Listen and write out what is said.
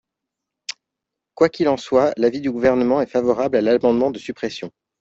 Quoi qu’il en soit, l’avis du Gouvernement est favorable à l’amendement de suppression.